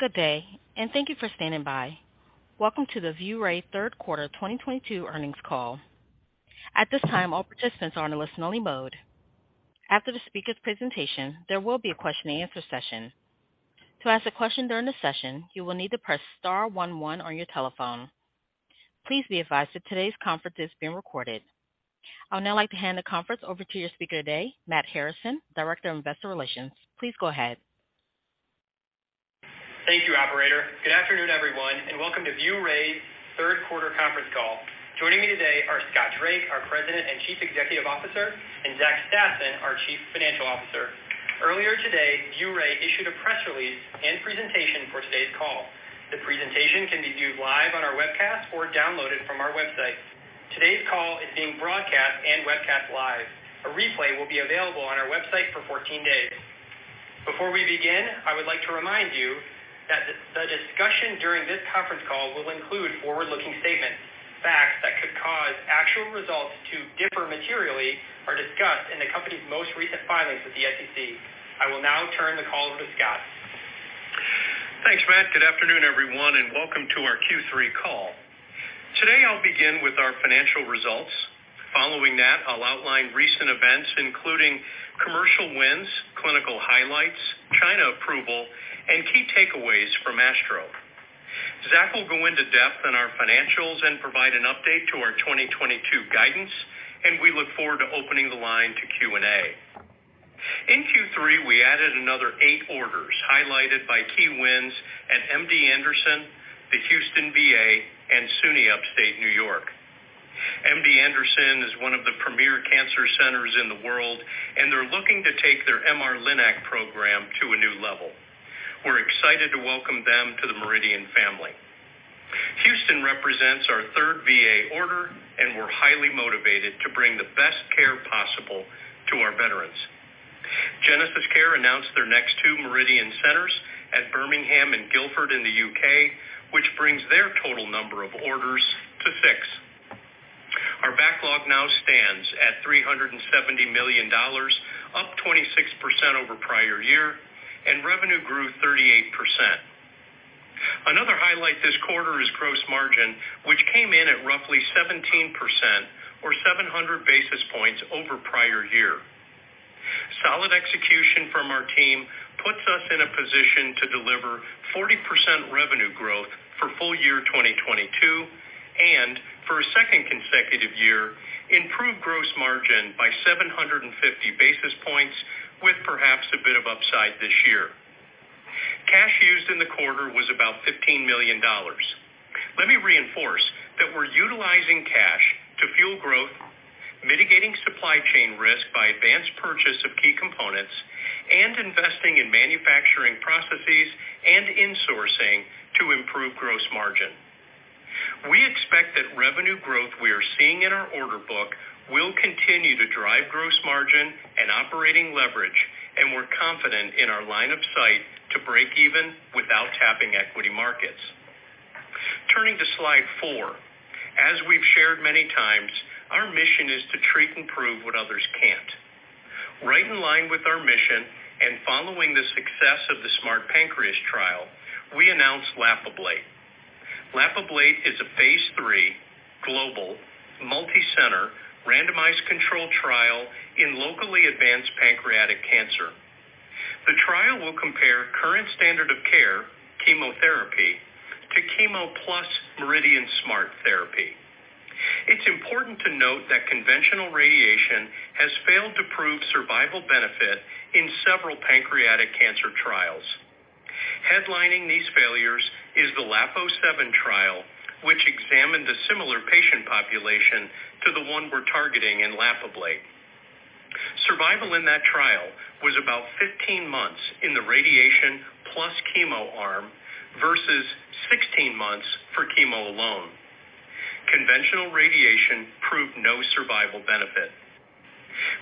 Good day, and thank you for standing by. Welcome to the ViewRay third quarter 2022 earnings call. At this time, all participants are in a listen only mode. After the speaker's presentation, there will be a question and answer session. To ask a question during the session, you will need to press star one one on your telephone. Please be advised that today's conference is being recorded. I would now like to hand the conference over to your speaker today, Matt Harrison, Director of Investor Relations. Please go ahead. Thank you, operator. Good afternoon, everyone, and welcome to ViewRay's third quarter conference call. Joining me today are Scott Drake, our President and Chief Executive Officer, and Zach Stassen, our Chief Financial Officer. Earlier today, ViewRay issued a press release and presentation for today's call. The presentation can be viewed live on our webcast or downloaded from our website. Today's call is being broadcast and webcast live. A replay will be available on our website for 14 days. Before we begin, I would like to remind you that the discussion during this conference call will include forward-looking statements. Facts that could cause actual results to differ materially are discussed in the company's most recent filings with the SEC. I will now turn the call over to Scott. Thanks, Matt. Good afternoon, everyone, and welcome to our Q3 call. Today I'll begin with our financial results. Following that, I'll outline recent events including commercial wins, clinical highlights, China approval, and key takeaways from ASTRO. Zach will go into depth on our financials and provide an update to our 2022 guidance, and we look forward to opening the line to Q&A. In Q3, we added another eight orders highlighted by key wins at MD Anderson, the Houston VA, and SUNY Upstate New York. MD Anderson is one of the premier cancer centers in the world, and they're looking to take their MR-Linac program to a new level. We're excited to welcome them to the MRIdian family. Houston represents our third VA order, and we're highly motivated to bring the best care possible to our veterans. GenesisCare announced their next two MRIdian centers at Birmingham and Guildford in the U.K., which brings their total number of orders to six. Our backlog now stands at $370 million, up 26% over prior year, and revenue grew 38%. Another highlight this quarter is gross margin, which came in at roughly 17% or 700 basis points over prior year. Solid execution from our team puts us in a position to deliver 40% revenue growth for full year 2022 and for a second consecutive year, improve gross margin by 750 basis points with perhaps a bit of upside this year. Cash used in the quarter was about $15 million. Let me reinforce that we're utilizing cash to fuel growth, mitigating supply chain risk by advanced purchase of key components and investing in manufacturing processes and insourcing to improve gross margin. We expect that revenue growth we are seeing in our order book will continue to drive gross margin and operating leverage, and we're confident in our line of sight to break even without tapping equity markets. Turning to slide four. As we've shared many times, our mission is to treat and prove what others can't. Right in line with our mission and following the success of the SMART Pancreas trial, we announced LAP-ABLATE. LAP-ABLATE is a phase three global multicenter randomized controlled trial in locally advanced pancreatic cancer. The trial will compare current standard of care chemotherapy to chemo plus MRIdian SMART therapy. It's important to note that conventional radiation has failed to prove survival benefit in several pancreatic cancer trials. Headlining these failures is the LAP07 trial, which examined a similar patient population to the one we're targeting in LAP-ABLATE. Survival in that trial was about 15 months in the radiation plus chemo arm versus 16 months for chemo alone. Conventional radiation proved no survival benefit.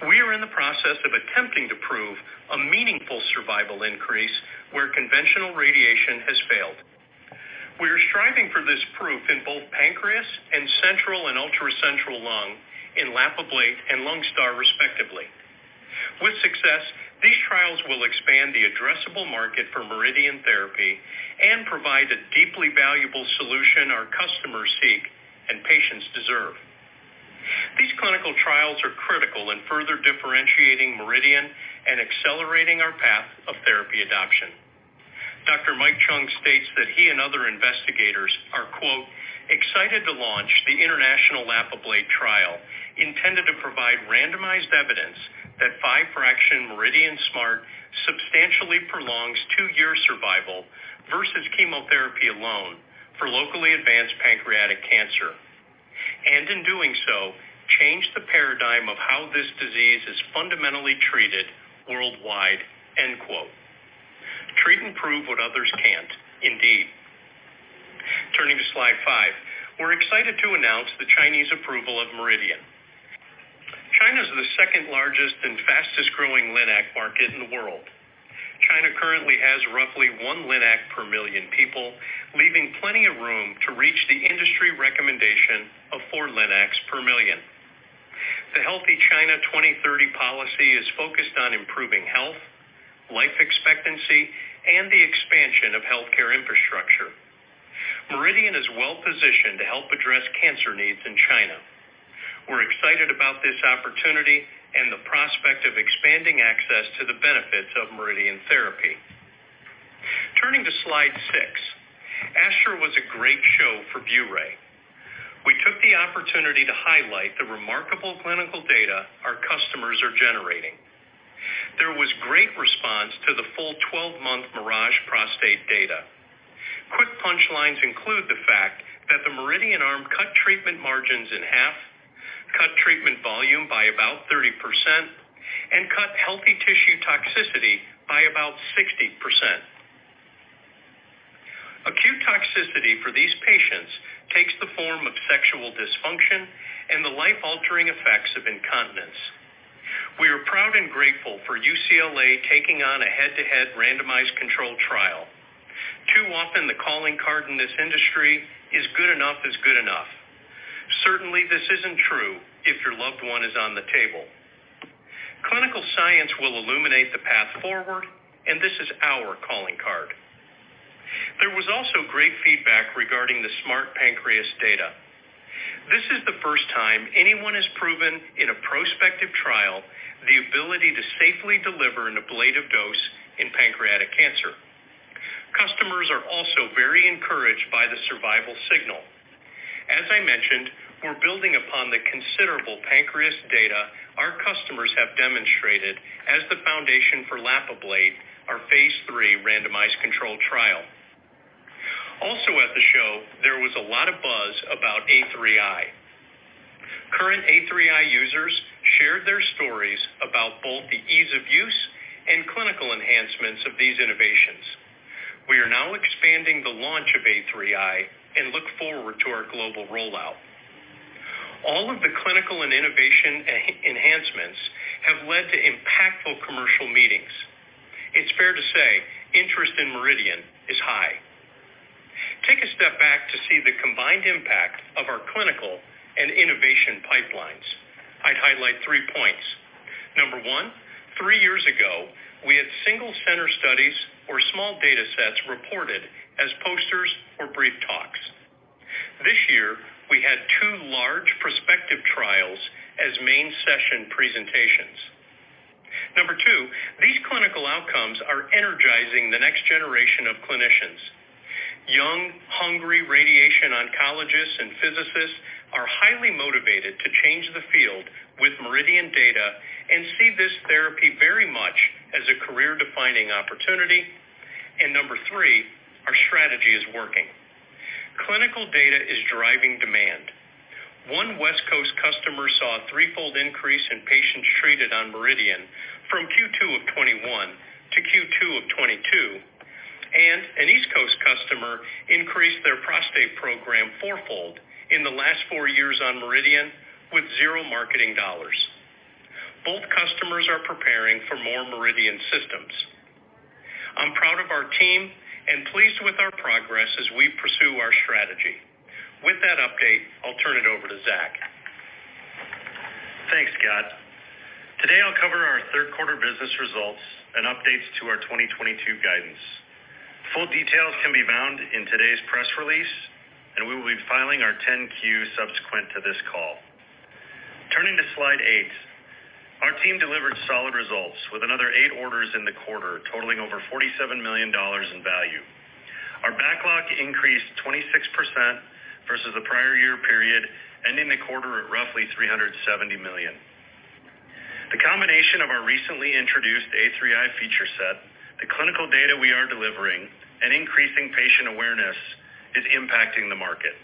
We are in the process of attempting to prove a meaningful survival increase where conventional radiation has failed. We are striving for this proof in both pancreas and central and ultra-central lung in LAP-ABLATE and LONESTAR respectively. With success, these trials will expand the addressable market for MRIdian therapy and provide a deeply valuable solution our customers seek and patients deserve. These clinical trials are critical in further differentiating MRIdian and accelerating our path of therapy adoption. Dr. Mike Chuong states that he and other investigators are, quote, "Excited to launch the international LAP-ABLATE trial intended to provide randomized evidence that five fraction MRIdian SMART substantially prolongs two-year survival versus chemotherapy alone for locally advanced pancreatic cancer, and in doing so, change the paradigm of how this disease is fundamentally treated worldwide." End quote. Treat and prove what others can't. Indeed. Turning to slide five. We're excited to announce the Chinese approval of MRIdian. China is the second-largest and fastest-growing Linac market in the world. China currently has roughly one Linac per million people, leaving plenty of room to reach the industry recommendation of four Linacs per million. The Healthy China 2030 policy is focused on improving health, life expectancy, and the expansion of healthcare infrastructure. MRIdian is well positioned to help address cancer needs in China. We're excited about this opportunity and the prospect of expanding access to the benefits of MRIdian therapy. Turning to slide six. ASTRO was a great show for ViewRay. We took the opportunity to highlight the remarkable clinical data our customers are generating. There was great response to the full 12-month MIRAGE prostate data. Quick punch lines include the fact that the MRIdian arm cut treatment margins in half, cut treatment volume by about 30%, and cut healthy tissue toxicity by about 60%. Acute toxicity for these patients takes the form of sexual dysfunction and the life-altering effects of incontinence. We are proud and grateful for UCLA taking on a head-to-head randomized controlled trial. Too often the calling card in this industry is good enough is good enough. Certainly, this isn't true if your loved one is on the table. Clinical science will illuminate the path forward, and this is our calling card. There was also great feedback regarding the SMART Pancreas data. This is the first time anyone has proven in a prospective trial the ability to safely deliver an ablative dose in pancreatic cancer. Customers are also very encouraged by the survival signal. As I mentioned, we're building upon the considerable pancreas data our customers have demonstrated as the foundation for LAP-ABLATE, our phase III randomized controlled trial. Also at the show, there was a lot of buzz about A3i. Current A3i users shared their stories about both the ease of use and clinical enhancements of these innovations. We are now expanding the launch of A3i and look forward to our global rollout. All of the clinical and innovation enhancements have led to impactful commercial meetings. It's fair to say interest in MRIdian is high. Take a step back to see the combined impact of our clinical and innovation pipelines. I'd highlight three points. Number one, three years ago, we had single-center studies or small datasets reported as posters or brief talks. This year we had two large prospective trials as main session presentations. Number two, these clinical outcomes are energizing the next generation of clinicians. Young, hungry radiation oncologists and physicists are highly motivated to change the field with MRIdian data and see this therapy very much as a career-defining opportunity. Number three, our strategy is working. Clinical data is driving demand. One West Coast customer saw a threefold increase in patients treated on MRIdian from Q2 of 2021 to Q2 of 2022, and an East Coast customer increased their prostate program four-fold in the last four years on MRIdian with zero marketing dollars. Both customers are preparing for more MRIdian systems. I'm proud of our team and pleased with our progress as we pursue our strategy. With that update, I'll turn it over to Zach. Thanks, Scott. Today, I'll cover our third quarter business results and updates to our 2022 guidance. Full details can be found in today's press release, and we will be filing our 10-Q subsequent to this call. Turning to slide eight. Our team delivered solid results with another eight orders in the quarter, totaling over $47 million in value. Our backlog increased 26% versus the prior year period, ending the quarter at roughly $370 million. The combination of our recently introduced A3i feature set, the clinical data we are delivering, and increasing patient awareness is impacting the market.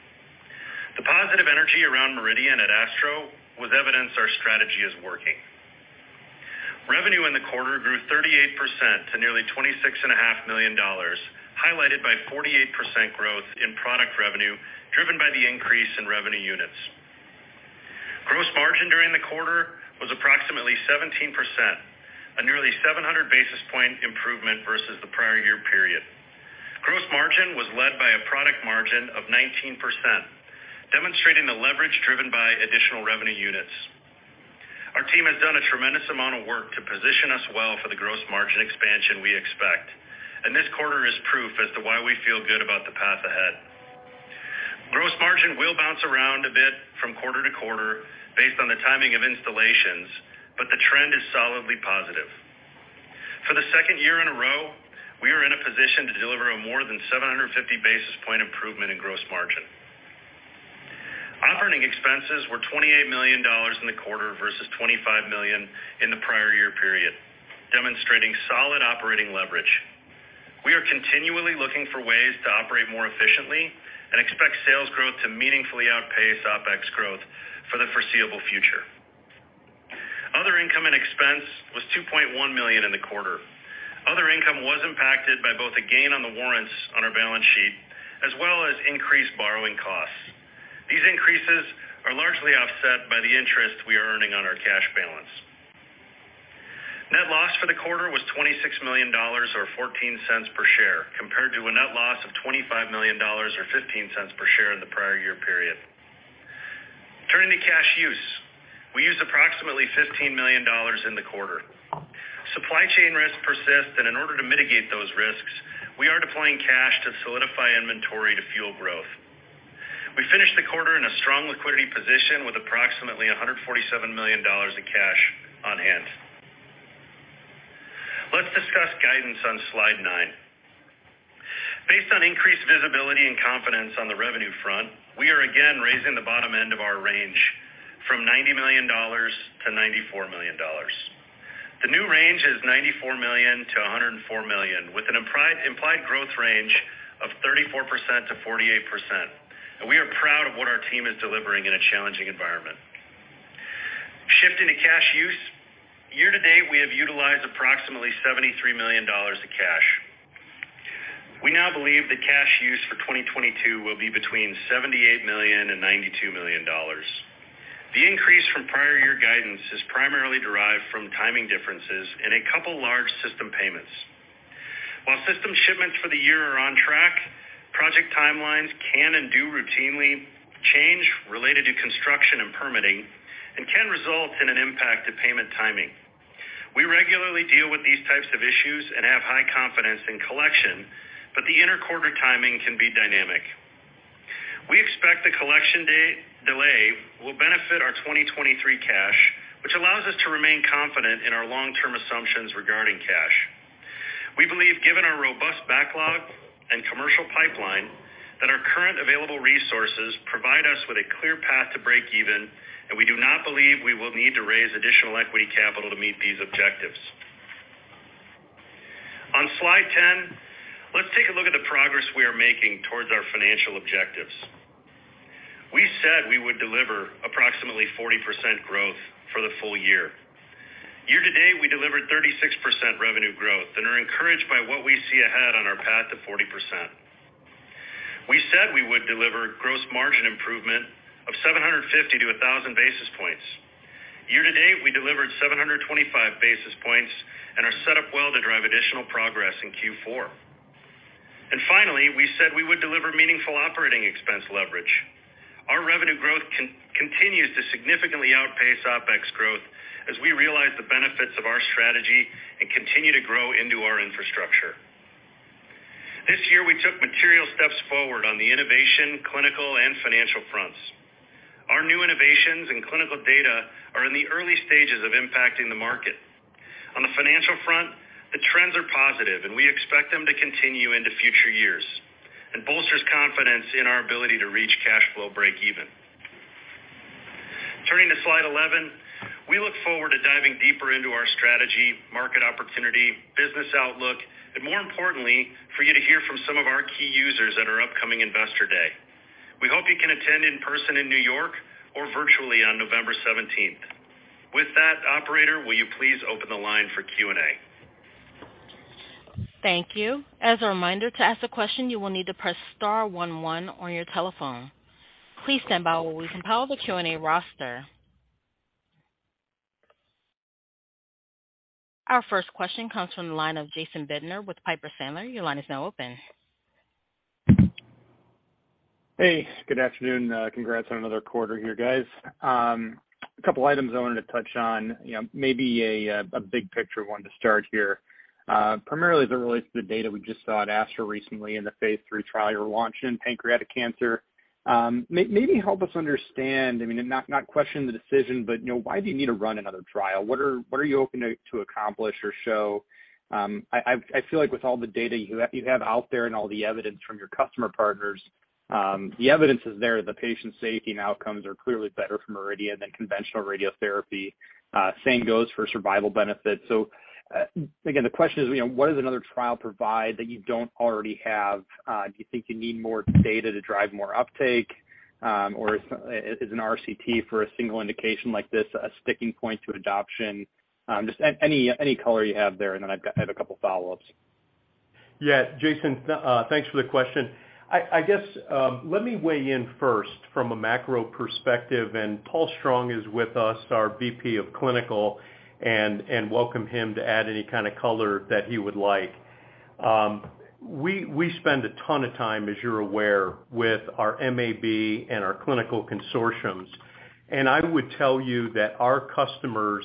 The positive energy around MRIdian at ASTRO was evidence our strategy is working. Revenue in the quarter grew 38% to nearly $26.5 million, highlighted by 48% growth in product revenue driven by the increase in revenue units. Gross margin during the quarter was approximately 17%, a nearly 700 basis point improvement versus the prior year period. Gross margin was led by a product margin of 19%, demonstrating the leverage driven by additional revenue units. Our team has done a tremendous amount of work to position us well for the gross margin expansion we expect, and this quarter is proof as to why we feel good about the path ahead. Gross margin will bounce around a bit from quarter-to-quarter based on the timing of installations, but the trend is solidly positive. For the second year in a row, we are in a position to deliver a more than 750 basis points improvement in gross margin. Operating expenses were $28 million in the quarter versus $25 million in the prior year period, demonstrating solid operating leverage. We are continually looking for ways to operate more efficiently and expect sales growth to meaningfully outpace OpEx growth for the foreseeable future. Other income and expense was $2.1 million in the quarter. Other income was impacted by both a gain on the warrants on our balance sheet as well as increased borrowing costs. These increases are largely offset by the interest we are earning on our cash balance. Quarter was $26 million or $0.14 per share, compared to a net loss of $25 million or $0.15 per share in the prior year period. Turning to cash use. We used approximately $15 million in the quarter. Supply chain risks persist, and in order to mitigate those risks, we are deploying cash to solidify inventory to fuel growth. We finished the quarter in a strong liquidity position with approximately $147 million of cash on hand. Let's discuss guidance on slide nine. Based on increased visibility and confidence on the revenue front, we are again raising the bottom end of our range from $90 million-$94 million. The new range is $94 million-$104 million, with an implied growth range of 34%-48%. We are proud of what our team is delivering in a challenging environment. Shifting to cash use. Year to date, we have utilized approximately $73 million of cash. We now believe the cash use for 2022 will be between $78 million and $92 million. The increase from prior year guidance is primarily derived from timing differences in a couple large system payments. While system shipments for the year are on track, project timelines can and do routinely change related to construction and permitting, and can result in an impact to payment timing. We regularly deal with these types of issues and have high confidence in collection, but the inter-quarter timing can be dynamic. We expect the collection delay will benefit our 2023 cash, which allows us to remain confident in our long-term assumptions regarding cash. We believe, given our robust backlog and commercial pipeline, that our current available resources provide us with a clear path to break even, and we do not believe we will need to raise additional equity capital to meet these objectives. On slide 10, let's take a look at the progress we are making towards our financial objectives. We said we would deliver approximately 40% growth for the full year. Year to date, we delivered 36% revenue growth and are encouraged by what we see ahead on our path to 40%. We said we would deliver gross margin improvement of 750-1,000 basis points. Year to date, we delivered 725 basis points and are set up well to drive additional progress in Q4. Finally, we said we would deliver meaningful operating expense leverage. Our revenue growth continues to significantly outpace OpEx growth as we realize the benefits of our strategy and continue to grow into our infrastructure. This year we took material steps forward on the innovation, clinical, and financial fronts. Our new innovations and clinical data are in the early stages of impacting the market. On the financial front, the trends are positive, and we expect them to continue into future years and bolsters confidence in our ability to reach cash flow break even. Turning to slide 11. We look forward to diving deeper into our strategy, market opportunity, business outlook, and more importantly, for you to hear from some of our key users at our upcoming Investor Day. We hope you can attend in person in New York or virtually on November 17th. With that, operator, will you please open the line for Q&A? Thank you. As a reminder, to ask a question, you will need to press star one one on your telephone. Please stand by while we compile the Q&A roster. Our first question comes from the line of Jason Bednar with Piper Sandler. Your line is now open. Hey, good afternoon. Congrats on another quarter here, guys. A couple items I wanted to touch on, you know, maybe a big picture one to start here. Primarily as it relates to the data we just saw at ASTRO recently in the phase three trial you're launching pancreatic cancer. Maybe help us understand, I mean, and not question the decision, but, you know, why do you need to run another trial? What are you hoping to accomplish or show? I feel like with all the data you have out there and all the evidence from your customer partners, the evidence is there that patient safety and outcomes are clearly better for MRIdian than conventional radiotherapy. Same goes for survival benefits. Again, the question is, you know, what does another trial provide that you don't already have? Do you think you need more data to drive more uptake? Or is an RCT for a single indication like this a sticking point to adoption? Just any color you have there, and then I have a couple follow-ups. Yeah. Jason, thanks for the question. I guess, let me weigh in first from a macro perspective, and Paul Strong is with us, our VP of Clinical, and welcome him to add any kind of color that he would like. We spend a ton of time, as you're aware, with our MAB and our clinical consortiums. I would tell you that our customers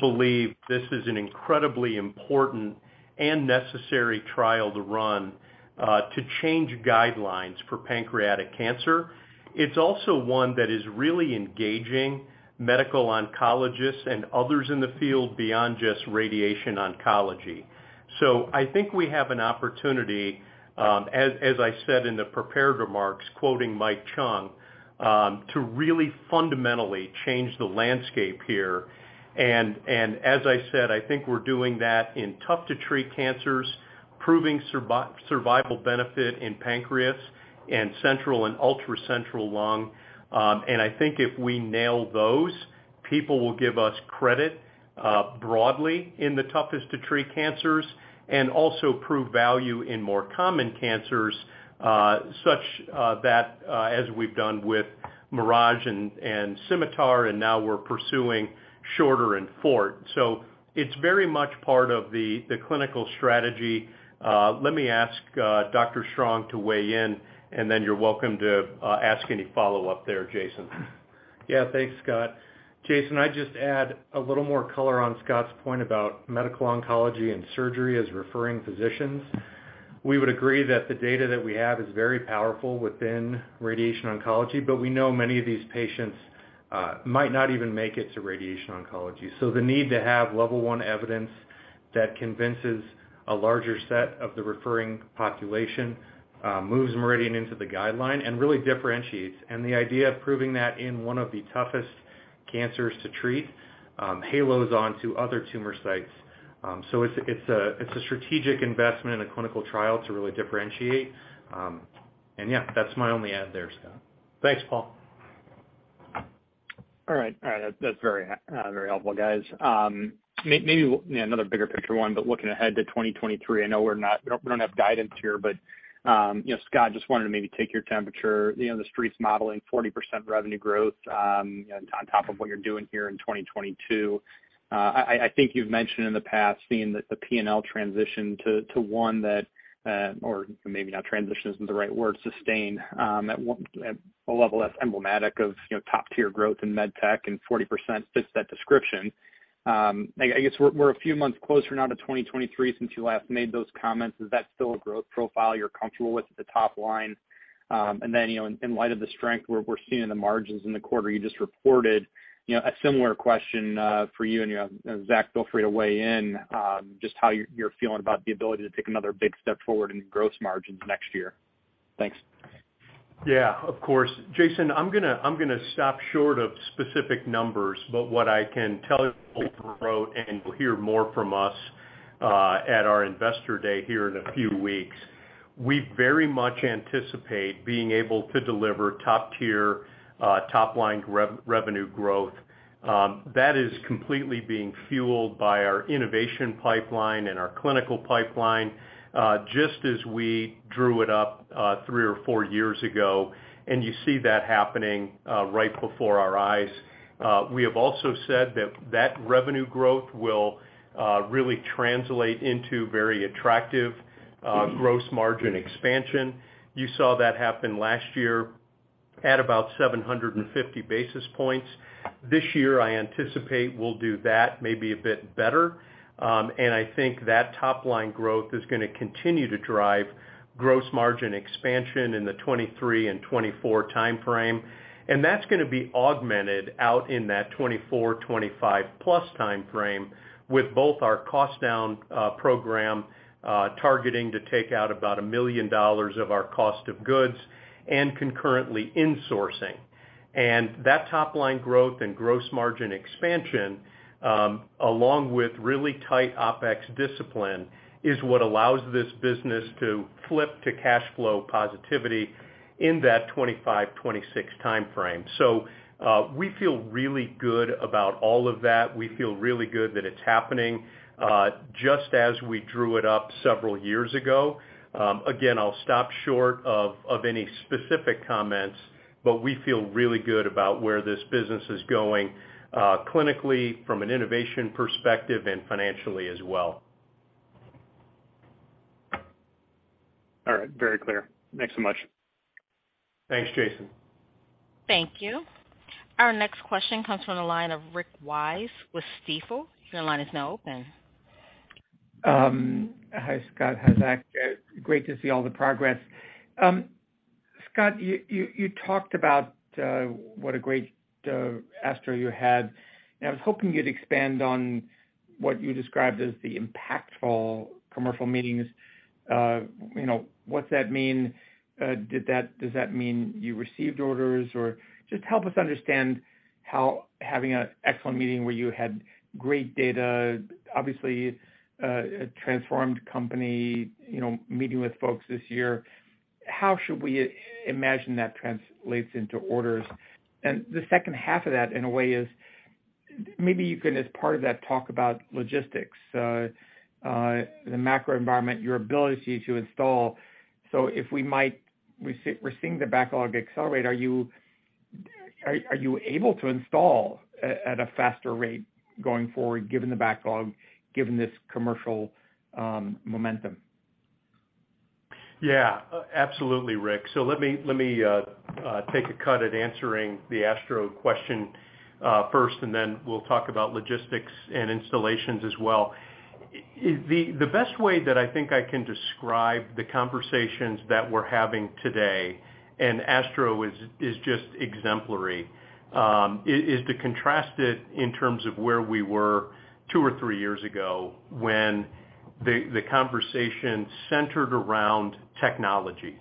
believe this is an incredibly important and necessary trial to run, to change guidelines for pancreatic cancer. It's also one that is really engaging medical oncologists and others in the field beyond just radiation oncology. I think we have an opportunity, as I said in the prepared remarks quoting Michael Chuong, to really fundamentally change the landscape here. I think we're doing that in tough to treat cancers, proving survival benefit in pancreas and central and ultra central lung. I think if we nail those, people will give us credit broadly in the toughest to treat cancers and also prove value in more common cancers, such that as we've done with MIRAGE and SCIMITAR, and now we're pursuing SHORTER in FORT. It's very much part of the clinical strategy. Let me ask Dr. Strong to weigh in, and then you're welcome to ask any follow-up there, Jason. Yeah. Thanks, Scott. Jason, I'd just add a little more color on Scott's point about medical oncology and surgery as referring physicians. We would agree that the data that we have is very powerful within radiation oncology, but we know many of these patients might not even make it to radiation oncology. The need to have level one evidence that convinces a larger set of the referring population moves MRIdian into the guideline and really differentiates. The idea of proving that in one of the toughest cancers to treat halos onto other tumor sites. It's a strategic investment in a clinical trial to really differentiate. Yeah, that's my only add there, Scott. Thanks, Paul. All right. That's very helpful, guys. Maybe, you know, another bigger picture one, but looking ahead to 2023, I know we don't have guidance here, but, you know, Scott, just wanted to maybe take your temperature. You know, the Street's modeling 40% revenue growth, on top of what you're doing here in 2022. I think you've mentioned in the past seeing that the P&L transition to one that, or maybe not transition isn't the right word, sustain, at a level less emblematic of, you know, top-tier growth in med tech and 40% fits that description. I guess we're a few months closer now to 2023 since you last made those comments. Is that still a growth profile you're comfortable with at the top line? You know, in light of the strength we're seeing in the margins in the quarter you just reported, you know, a similar question for you and, you know, Zach, feel free to weigh in, just how you're feeling about the ability to take another big step forward in gross margins next year. Thanks. Yeah. Of course. Jason, I'm gonna stop short of specific numbers, but what I can tell you and you'll hear more from us at our Investor Day here in a few weeks, we very much anticipate being able to deliver top-tier top-line revenue growth. That is completely being fueled by our innovation pipeline and our clinical pipeline, just as we drew it up three or four years ago, and you see that happening right before our eyes. We have also said that that revenue growth will really translate into very attractive gross margin expansion. You saw that happen last year at about 750 basis points. This year, I anticipate we'll do that maybe a bit better. I think that top-line growth is gonna continue to drive gross margin expansion in the 2023 and 2024 timeframe. That's gonna be augmented out in that 2024, 2025+ timeframe with both our cost down program targeting to take out about $1 million of our cost of goods and concurrently insourcing. That top-line growth and gross margin expansion along with really tight OpEx discipline is what allows this business to flip to cash flow positivity in that 2025, 2026 timeframe. We feel really good about all of that. We feel really good that it's happening just as we drew it up several years ago. Again, I'll stop short of any specific comments, but we feel really good about where this business is going clinically from an innovation perspective and financially as well. All right. Very clear. Thanks so much. Thanks, Jason. Thank you. Our next question comes from the line of Rick Wise with Stifel. Your line is now open. Hi, Scott. Hi, Zach. Great to see all the progress. Scott, you talked about what a great ASTRO you had, and I was hoping you'd expand on what you described as the impactful commercial meetings. You know, what's that mean? Does that mean you received orders or just help us understand how having an excellent meeting where you had great data, obviously, a transformed company, you know, meeting with folks this year. How should we imagine that translates into orders? The second half of that, in a way, is maybe you can, as part of that, talk about logistics, the macro environment, your ability to install. We're seeing the backlog accelerate, are you able to install at a faster rate going forward, given the backlog, given this commercial momentum? Yeah. Absolutely, Rick. Let me take a cut at answering the ASTRO question first, and then we'll talk about logistics and installations as well. The best way that I think I can describe the conversations that we're having today, and ASTRO is just exemplary, is to contrast it in terms of where we were two or three years ago when the conversation centered around technology,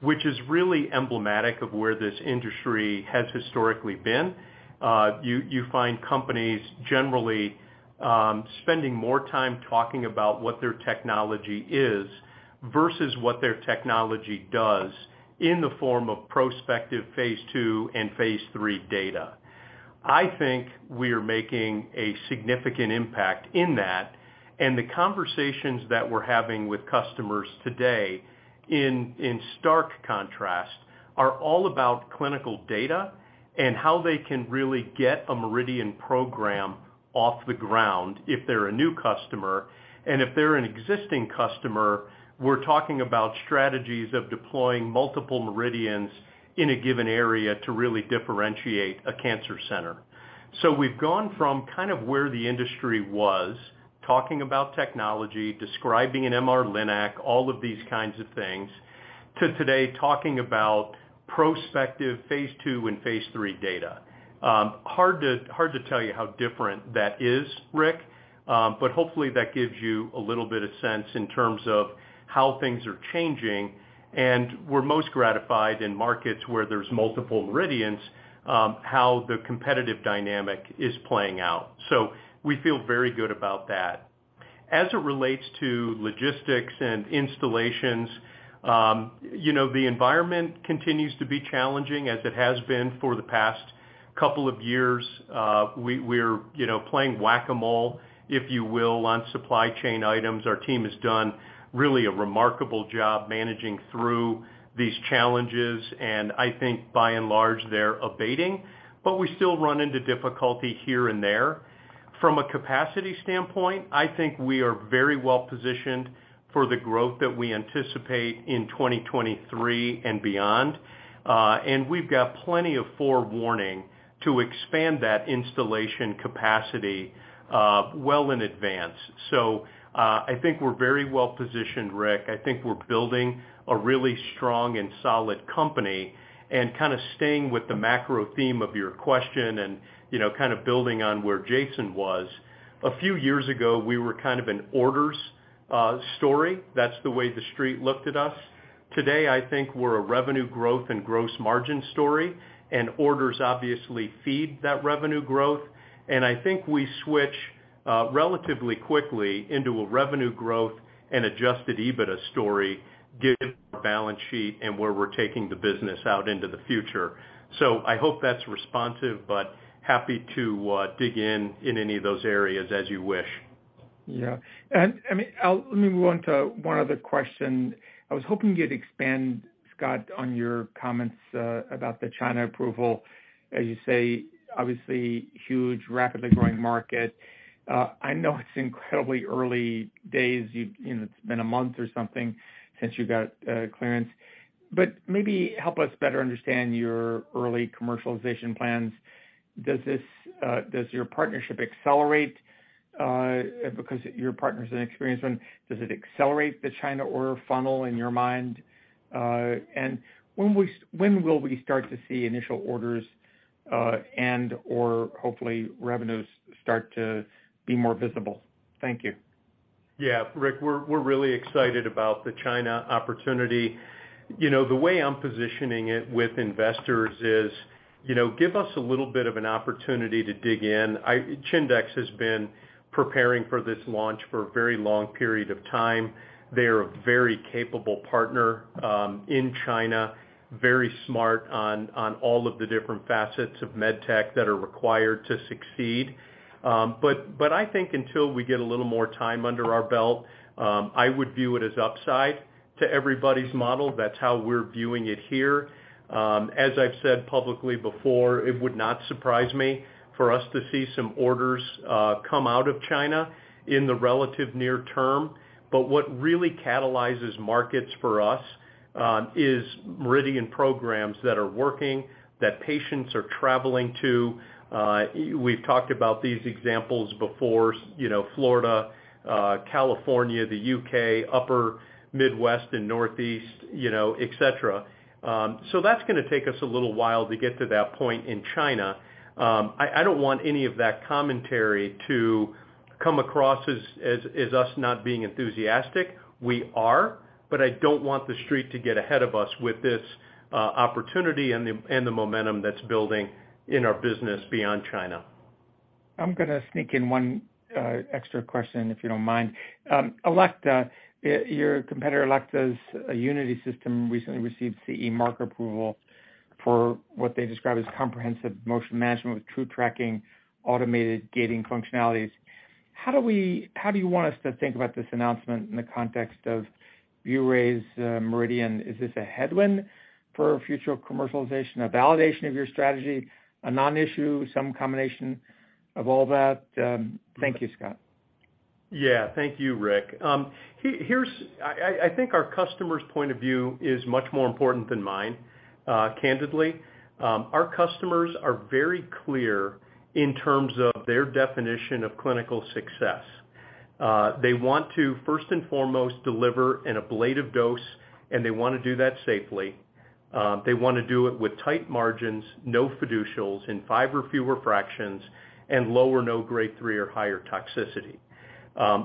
which is really emblematic of where this industry has historically been. You find companies generally spending more time talking about what their technology is versus what their technology does in the form of prospective phase II and phase III data. I think we are making a significant impact in that. The conversations that we're having with customers today, in stark contrast, are all about clinical data and how they can really get a MRIdian program off the ground if they're a new customer. If they're an existing customer, we're talking about strategies of deploying multiple MRIdians in a given area to really differentiate a cancer center. We've gone from kind of where the industry was, talking about technology, describing a MR-Linac, all of these kinds of things, to today talking about prospective phase II and phase III data. Hard to tell you how different that is, Rick. Hopefully that gives you a little bit of sense in terms of how things are changing, and we're most gratified in markets where there's multiple MRIdians, how the competitive dynamic is playing out. We feel very good about that. As it relates to logistics and installations, you know, the environment continues to be challenging as it has been for the past couple of years. We're, you know, playing Whac-A-Mole, if you will, on supply chain items. Our team has done really a remarkable job managing through these challenges, and I think by and large they're abating, but we still run into difficulty here and there. From a capacity standpoint, I think we are very well positioned for the growth that we anticipate in 2023 and beyond. And we've got plenty of forewarning to expand that installation capacity, well in advance. I think we're very well positioned, Rick. I think we're building a really strong and solid company. Kind of staying with the macro theme of your question and, you know, kind of building on where Jason was, a few years ago we were kind of an orders story. That's the way the street looked at us. Today, I think we're a revenue growth and gross margin story, and orders obviously feed that revenue growth. I think we switch relatively quickly into a revenue growth and adjusted EBITDA story given our balance sheet and where we're taking the business out into the future. I hope that's responsive, but happy to dig in in any of those areas as you wish. Yeah. I mean, let me move on to one other question. I was hoping you'd expand, Scott, on your comments about the China approval. As you say, obviously huge, rapidly growing market. I know it's incredibly early days. You know, it's been a month or something since you got clearance, but maybe help us better understand your early commercialization plans. Does your partnership accelerate because your partner's an experienced one, does it accelerate the China order funnel in your mind? When will we start to see initial orders, and/or hopefully revenues start to be more visible? Thank you. Yeah. Rick, we're really excited about the China opportunity. You know, the way I'm positioning it with investors is, you know, give us a little bit of an opportunity to dig in. Chindex has been preparing for this launch for a very long period of time. They're a very capable partner in China, very smart on all of the different facets of med tech that are required to succeed. I think until we get a little more time under our belt, I would view it as upside to everybody's model. That's how we're viewing it here. As I've said publicly before, it would not surprise me for us to see some orders come out of China in the relative near term. What really catalyzes markets for us is MRIdian programs that are working, that patients are traveling to. We've talked about these examples before, you know, Florida, California, the U.K., upper Midwest and Northeast, you know, et cetera. That's gonna take us a little while to get to that point in China. I don't want any of that commentary to come across as us not being enthusiastic. We are, but I don't want the street to get ahead of us with this opportunity and the momentum that's building in our business beyond China. I'm gonna sneak in one extra question, if you don't mind. Elekta, your competitor, Elekta's Unity system recently received CE mark approval for what they describe as comprehensive motion management with true tracking, automated gating functionalities. How do you want us to think about this announcement in the context of ViewRay's MRIdian? Is this a headwind for future commercialization, a validation of your strategy, a non-issue, some combination of all that? Thank you, Scott. Yeah. Thank you, Rick. I think our customers' point of view is much more important than mine, candidly. Our customers are very clear in terms of their definition of clinical success. They want to, first and foremost, deliver an ablative dose, and they wanna do that safely. They wanna do it with tight margins, no fiducials in five or fewer fractions and low or no grade three or higher toxicity.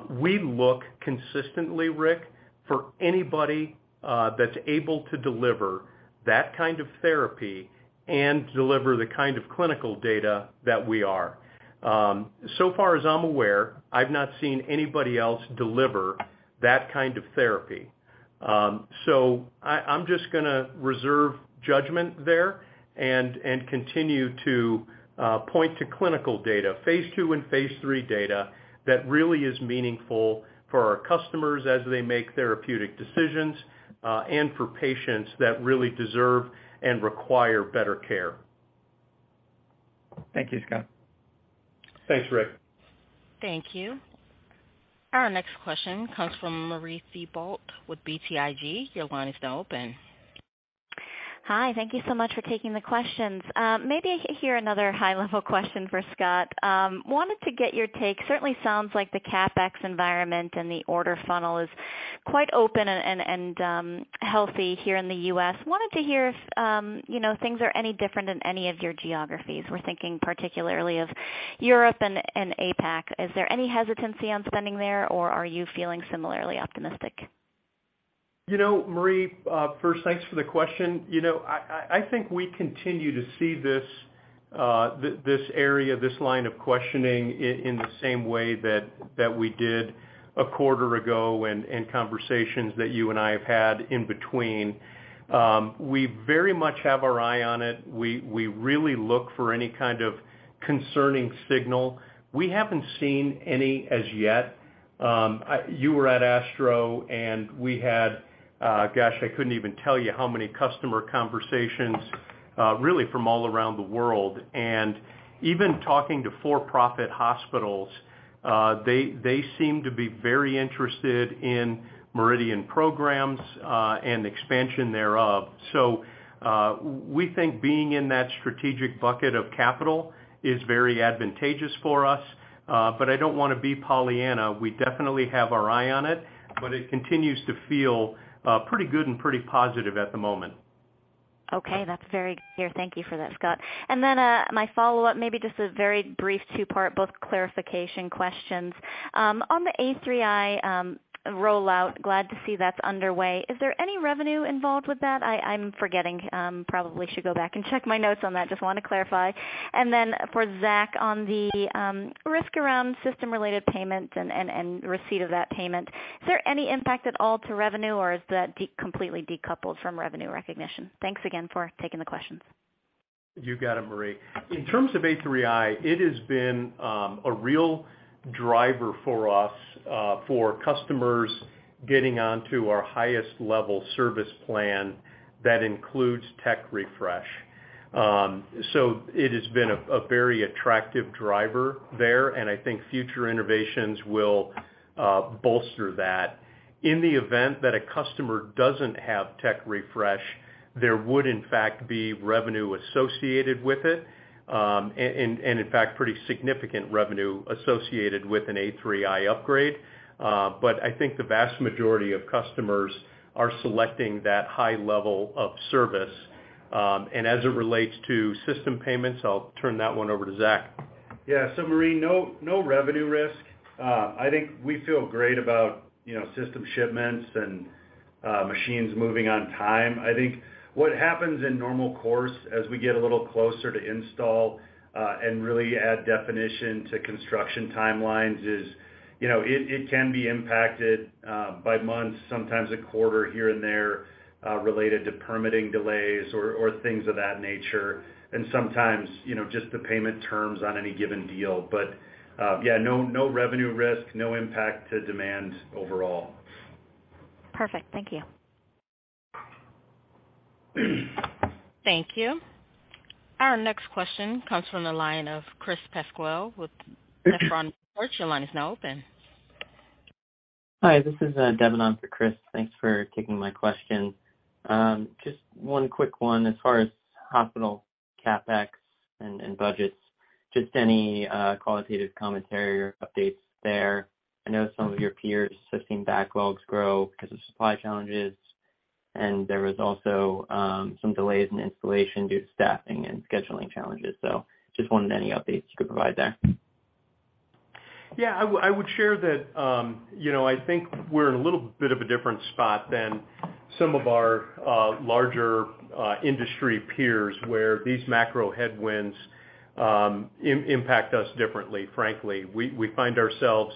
We look consistently, Rick, for anybody that's able to deliver that kind of therapy and deliver the kind of clinical data that we are. So far as I'm aware, I've not seen anybody else deliver that kind of therapy. I'm just gonna reserve judgment there and continue to point to clinical data, phase two and phase three data that really is meaningful for our customers as they make therapeutic decisions, and for patients that really deserve and require better care. Thank you, Scott. Thanks, Rick. Thank you. Our next question comes from Marie Thibault with BTIG. Your line is now open. Hi. Thank you so much for taking the questions. Maybe here's another high-level question for Scott. Wanted to get your take. Certainly sounds like the CapEx environment and the order funnel is quite open and healthy here in the U.S. Wanted to hear if you know, things are any different in any of your geographies. We're thinking particularly of Europe and APAC. Is there any hesitancy on spending there, or are you feeling similarly optimistic? You know, Marie, first, thanks for the question. You know, I think we continue to see this area, this line of questioning in the same way that we did a quarter ago and in conversations that you and I have had in between. We very much have our eye on it. We really look for any kind of concerning signal. We haven't seen any as yet. You were at ASTRO, and we had, gosh, I couldn't even tell you how many customer conversations, really from all around the world. Even talking to for-profit hospitals, they seem to be very interested in MRIdian programs, and expansion thereof. We think being in that strategic bucket of capital is very advantageous for us, but I don't wanna be Pollyanna. We definitely have our eye on it, but it continues to feel pretty good and pretty positive at the moment. Okay. That's very clear. Thank you for that, Scott. My follow-up, maybe just a very brief two-part, both clarification questions. On the A3i rollout, glad to see that's underway. Is there any revenue involved with that? I'm forgetting, probably should go back and check my notes on that. Just wanna clarify. For Zach, on the risk around system-related payments and receipt of that payment, is there any impact at all to revenue, or is that completely decoupled from revenue recognition? Thanks again for taking the questions. You got it, Marie. In terms of A3i, it has been a real driver for us for customers getting onto our highest level service plan that includes tech refresh. It has been a very attractive driver there, and I think future innovations will bolster that. In the event that a customer doesn't have tech refresh, there would in fact be revenue associated with it, and in fact, pretty significant revenue associated with an A3i upgrade. I think the vast majority of customers are selecting that high level of service. As it relates to system payments, I'll turn that one over to Zach. Yeah. Marie, no revenue risk. I think we feel great about, you know, system shipments and machines moving on time. I think what happens in normal course as we get a little closer to install and really add definition to construction timelines is, you know, it can be impacted by months, sometimes a quarter here and there related to permitting delays or things of that nature and sometimes, you know, just the payment terms on any given deal. Yeah, no revenue risk, no impact to demand overall. Perfect. Thank you. Thank you. Our next question comes from the line of Chris Pasquale with Nephron Research. Your line is now open. Hi, this is Dev on for Chris. Thanks for taking my question. Just one quick one. As far as hospital CapEx and budgets, just any qualitative commentary or updates there. I know some of your peers have seen backlogs grow because of supply challenges, and there was also some delays in installation due to staffing and scheduling challenges. Just wondering any updates you could provide there. Yeah. I would share that, you know, I think we're in a little bit of a different spot than some of our larger industry peers, where these macro headwinds impact us differently, frankly. We find ourselves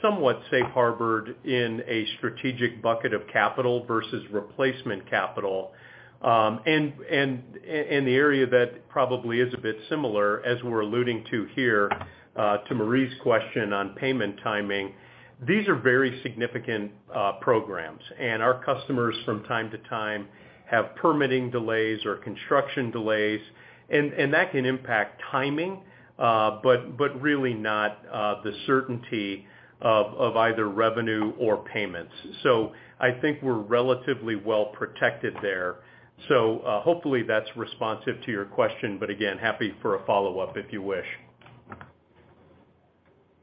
somewhat safe harbored in a strategic bucket of capital versus replacement capital. The area that probably is a bit similar, as we're alluding to here, to Marie's question on payment timing, these are very significant programs, and our customers from time to time have permitting delays or construction delays, and that can impact timing, but really not the certainty of either revenue or payments. I think we're relatively well protected there. Hopefully that's responsive to your question. Again, happy for a follow-up if you wish.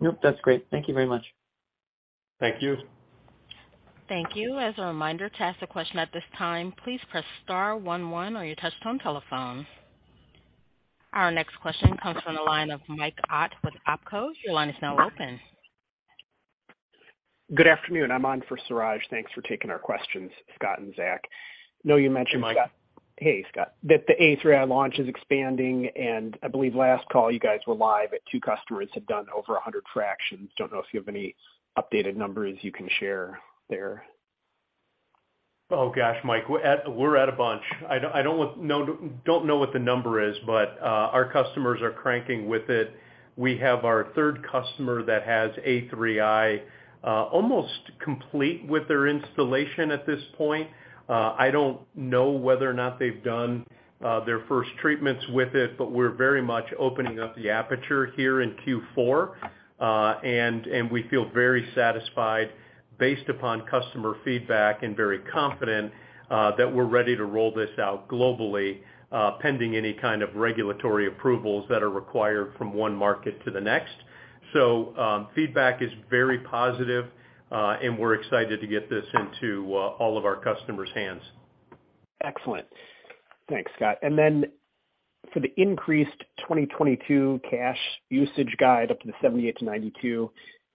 Nope, that's great. Thank you very much. Thank you. Thank you. As a reminder, to ask a question at this time, please press star one one on your touchtone telephone. Our next question comes from the line of Mike Ott with OpCo. Your line is now open. Good afternoon. I'm on for Suraj. Thanks for taking our questions, Scott and Zach. No, you mentioned, hey, Scott, that the A3i launch is expanding, and I believe last call you guys were live at two customers have done over 100 fractions. Don't know if you have any updated numbers you can share there. Oh gosh, Mike, we're at a bunch. I don't know what the number is, but our customers are cranking with it. We have our third customer that has A3i almost complete with their installation at this point. I don't know whether or not they've done their first treatments with it, but we're very much opening up the aperture here in Q4. And we feel very satisfied based upon customer feedback and very confident that we're ready to roll this out globally pending any kind of regulatory approvals that are required from one market to the next. Feedback is very positive and we're excited to get this into all of our customers' hands. Excellent. Thanks, Scott. For the increased 2022 cash usage guidance up to the $78-$92,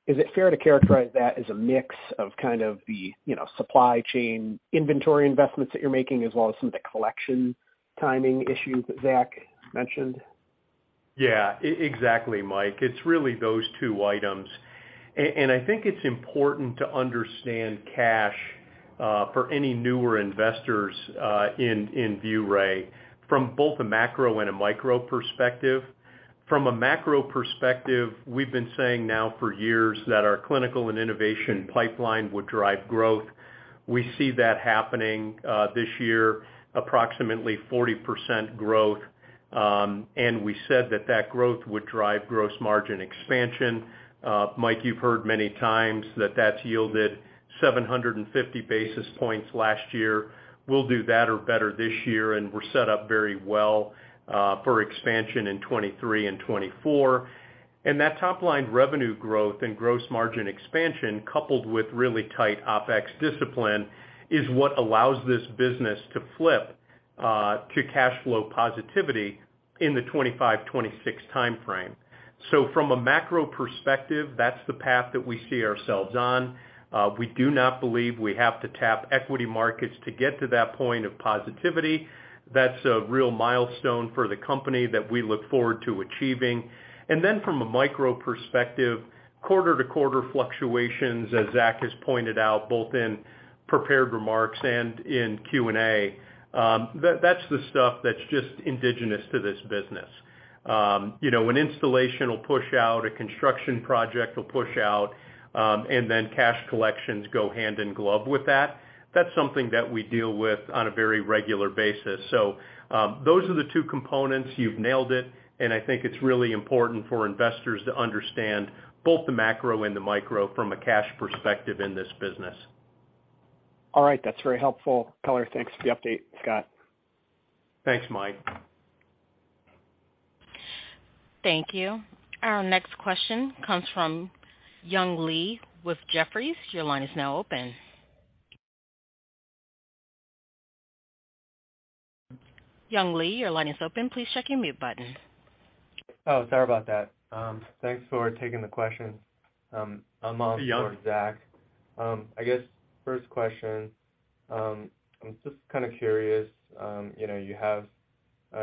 is it fair to characterize that as a mix of kind of the, you know, supply chain inventory investments that you're making as well as some of the collection timing issues that Zach mentioned? Yeah. Exactly, Mike. It's really those two items. And I think it's important to understand cash for any newer investors in ViewRay from both a macro and a micro perspective. From a macro perspective, we've been saying now for years that our clinical and innovation pipeline would drive growth. We see that happening this year, approximately 40% growth, and we said that that growth would drive gross margin expansion. Mike, you've heard many times that that's yielded 750 basis points last year. We'll do that or better this year, and we're set up very well for expansion in 2023 and 2024. That top-line revenue growth and gross margin expansion, coupled with really tight OpEx discipline, is what allows this business to flip to cash flow positivity in the 2025/2026 timeframe. From a macro perspective, that's the path that we see ourselves on. We do not believe we have to tap equity markets to get to that point of positivity. That's a real milestone for the company that we look forward to achieving. From a micro perspective, quarter-to-quarter fluctuations, as Zach has pointed out, both in prepared remarks and in Q&A, that's the stuff that's just indigenous to this business. You know, an installation will push out, a construction project will push out, and then cash collections go hand in glove with that. That's something that we deal with on a very regular basis. Those are the two components. You've nailed it, and I think it's really important for investors to understand both the macro and the micro from a cash perspective in this business. All right. That's very helpful color. Thanks for the update, Scott. Thanks, Mike. Thank you. Our next question comes from Young Li with Jefferies. Your line is now open. Young Li, your line is open. Please check your mute button. Oh, sorry about that. Thanks for taking the question. Among- Young. For Zach. I guess first question, I'm just kinda curious, you know, you have,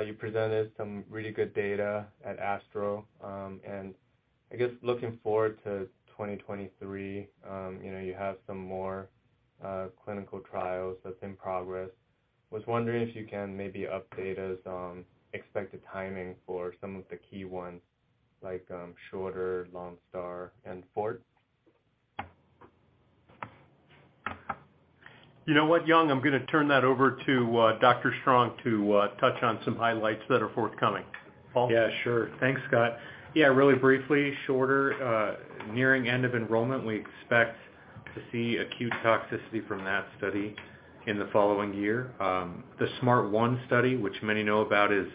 you presented some really good data at ASTRO, I guess looking forward to 2023, you know, you have some more, clinical trials that's in progress. Was wondering if you can maybe update us on expected timing for some of the key ones like, SHORTER, LONESTAR and FORT. You know what, Young, I'm gonna turn that over to Dr. Strong to touch on some highlights that are forthcoming. Paul? Yeah, sure. Thanks, Scott. Yeah, really briefly, SHORTER nearing end of enrollment. We expect to see acute toxicity from that study in the following year. The SMART ONE study, which many know about, is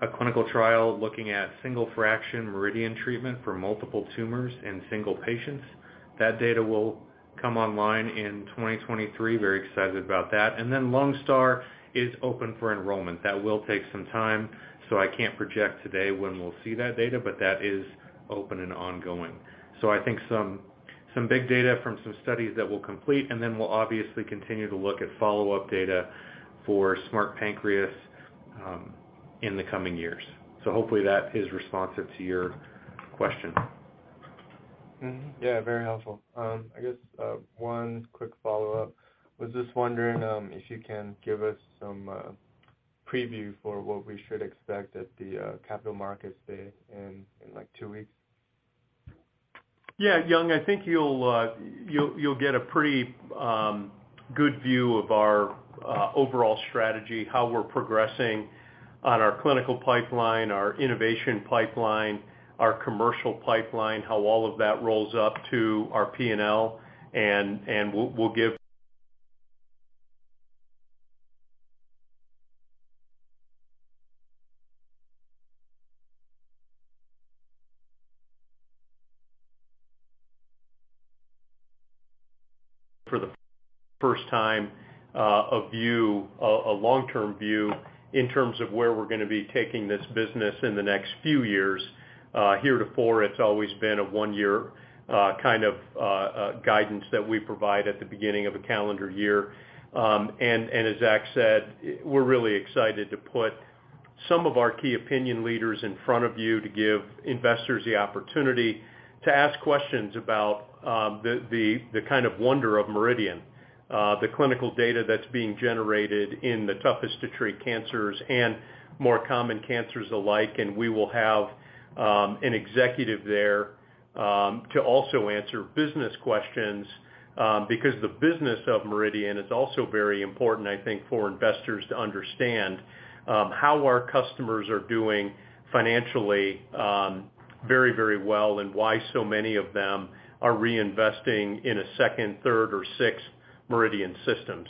a clinical trial looking at single fraction MRIdian treatment for multiple tumors in single patients. That data will come online in 2023. Very excited about that. LONESTAR is open for enrollment. That will take some time, so I can't project today when we'll see that data, but that is open and ongoing. I think some big data from some studies that we'll complete, and then we'll obviously continue to look at follow-up data for SMART Pancreas in the coming years. Hopefully that is responsive to your question. Mm-hmm. Yeah, very helpful. I guess one quick follow-up. Was just wondering if you can give us some preview for what we should expect at the capital markets day in like two weeks. Yeah, Young, I think you'll get a pretty good view of our overall strategy, how we're progressing on our clinical pipeline, our innovation pipeline, our commercial pipeline, how all of that rolls up to our P&L. We'll give for the first time a long-term view in terms of where we're gonna be taking this business in the next few years. Heretofore, it's always been a one-year kind of guidance that we provide at the beginning of a calendar year. As Zach said, we're really excited to put some of our key opinion leaders in front of you to give investors the opportunity to ask questions about the kind of wonder of MRIdian, the clinical data that's being generated in the toughest to treat cancers and more common cancers alike. We will have an executive there to also answer business questions because the business of MRIdian is also very important, I think, for investors to understand how our customers are doing financially very well and why so many of them are reinvesting in a second, third or sixth MRIdian system.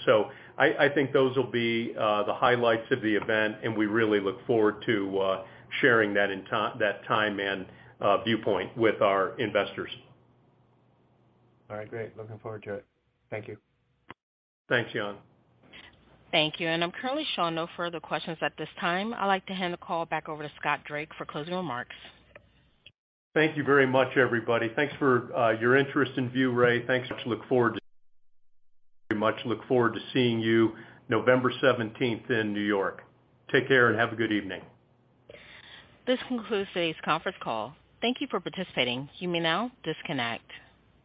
I think those will be the highlights of the event, and we really look forward to sharing that time and viewpoint with our investors. All right, great. Looking forward to it. Thank you. Thanks, Young. Thank you. I'm currently showing no further questions at this time. I'd like to hand the call back over to Scott Drake for closing remarks. Thank you very much, everybody. Thanks for your interest in ViewRay. Thanks. Look forward to seeing you November 17th in New York. Take care and have a good evening. This concludes today's conference call. Thank you for participating. You may now disconnect.